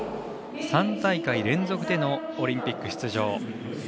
３大会連続でのオリンピック出場。